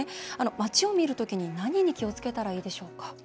街を見る時に何に気をつけたらいいでしょうか。